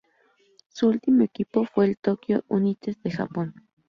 Su último equipo fue el Tokyo United de Japón.